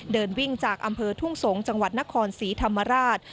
เดินวิ่งจากอำเภอทุ่งสงศ์จังหวัดนครศรีธรรมราช